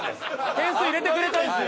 点数入れてくれたんですよ